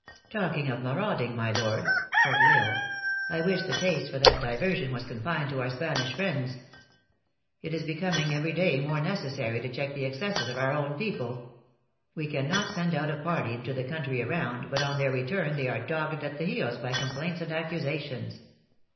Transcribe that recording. " Talking of marauding, my lord," said L Isle ;" I wish the the taste for that diversion was confined to our Spanish friends. It is becoming every day more necessary to check the excesses of our own people. AVe cannot send out a party into the country around, but on their return they are dogged at the heels by complaints and accusations.